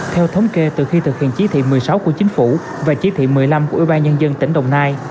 theo thống kê từ khi thực hiện chí thị một mươi sáu của chính phủ và chỉ thị một mươi năm của ủy ban nhân dân tỉnh đồng nai